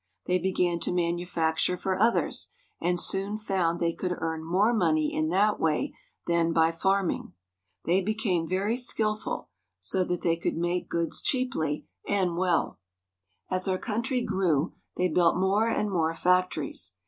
They began to manufacture for others, and soon found they could earn more money in that way than by farming. They became very skillful, so that they could make goods cheaply and 78 NEW ENGLAND. well. As our country grew they built more and more factories.